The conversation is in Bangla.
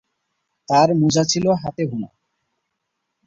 তার মোজা ছিল হাতে বোনা।